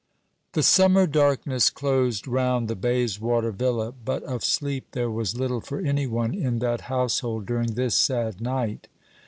The summer darkness closed round the Bayswater villa, but of sleep there was little for any one in that household during this sad night.